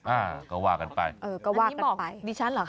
อ่าก็ว่ากันไปครับเอออันนี้มองดิฉันเหรอคะ